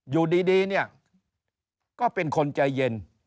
อยู่ดีเนี่ยก็เป็นคนใจเย็น